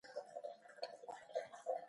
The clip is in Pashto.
د خور کور مې هغې ځای ته نژدې دی